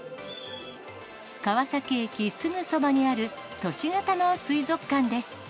川崎駅すぐそばにある都市型の水族館です。